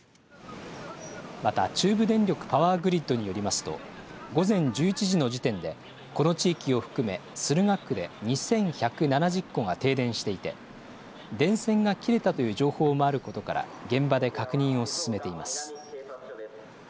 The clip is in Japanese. また中部電力パワーグリッドによりますと午前１１時の時点でこの地域を含め駿河区で２１７０戸が停電していて電線が切れたという情報もあることから現場で確認を進めています。